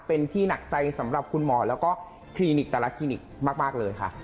เป็นที่หนักใจสำหรับคุณหมอแล้วก็คลินิกแต่ละคลินิกมากเลยค่ะ